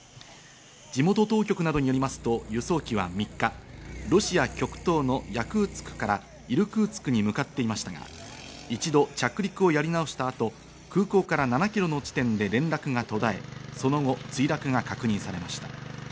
地元当局などによりますと輸送機は３日、ロシア極東のヤクーツクからイルクーツクに向かっていましたが、一度着陸をやり直した後、空港から７ｋｍの地点で連絡が途絶え、その後、墜落が確認されました。